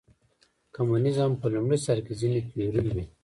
کمونیزم په لومړي سر کې ځینې تیورۍ وې.